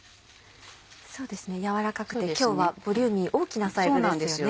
軟らかくて今日はボリューミー大きなサイズですよね。